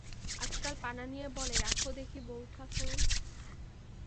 আজকাল পান আনিয়া বলে, রাখো দেখি বৌঠাকরুন।